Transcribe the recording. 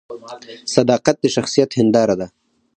صداقت د شخصیت هنداره ده